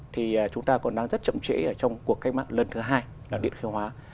thì chúng ta còn đang rất chậm trễ trong cuộc cách mạng lần thứ hai là điện khí hóa